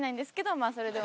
まあそれでも。